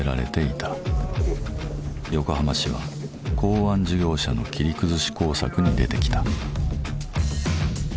横浜市は港湾事業者の切り崩し工作に出てきた。